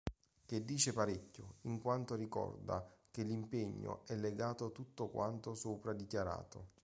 Che dice parecchio, in quanto ricorda che l'impegno è legato tutto quanto sopra dichiarato.